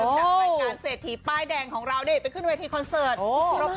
จากรายการเศรษฐีป้ายแดงของเรานี่ไปขึ้นเวทีคอนเสิร์ต